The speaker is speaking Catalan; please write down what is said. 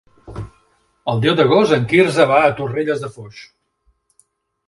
El deu d'agost en Quirze va a Torrelles de Foix.